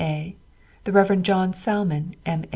A., the Rev. John Salmon, M.